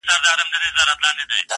د سومنات او پاني پټ او میوندونو کیسې،